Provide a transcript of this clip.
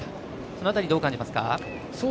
その辺り、どう感じますか？